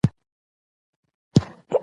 یوې بلې نړۍ ته دا حقیقت دی.